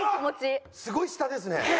すごい下ですね。